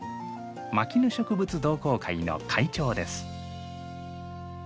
牧野植物同好会の会長です。